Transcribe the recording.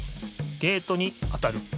ゲートに当たる。